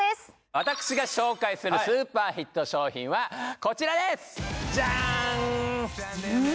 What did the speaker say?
私が紹介する超ヒット商品はこちらですジャーン！